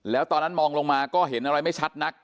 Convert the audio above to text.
แล้วตอนนั้นมองลงมาก็เห็นอะไรไม่ชัดนัก